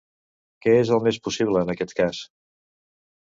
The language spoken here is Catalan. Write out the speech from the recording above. Què és el més possible en aquest cas?